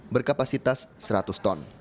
berkapasitas satu ton